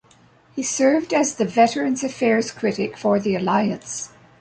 He served as the Veterans Affairs critic for the Alliance.